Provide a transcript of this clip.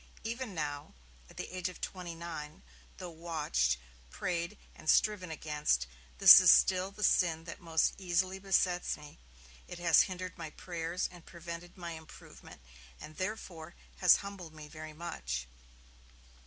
Even now [at the age of twenty nine], tho' watched, prayed and striven against, this is still the sin that most easily besets me. It has hindered my prayers and prevented my improvement, and therefore, has humbled me very much.'